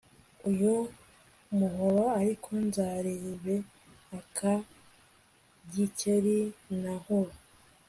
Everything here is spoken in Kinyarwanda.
uyu muhoro ariko nzarebe aka Gikeli na Nkuba